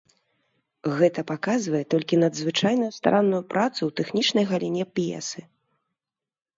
Гэта паказвае толькі надзвычайную старанную працу ў тэхнічнай галіне п'есы.